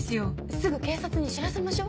すぐ警察に知らせましょう。